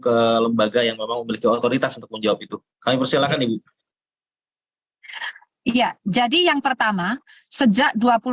ke lembaga yang memang memiliki otoritas untuk menjawab itu kami persilahkan ibu iya jadi yang pertama sejak